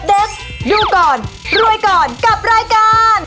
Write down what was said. ดูก่อนรวยก่อนกับรายการ